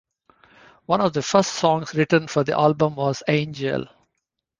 One of the first songs written for the album was "Angel".